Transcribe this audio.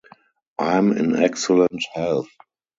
I'm in excellent health.